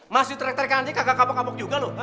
masih terik terikan aja kagak kapok kapok juga lo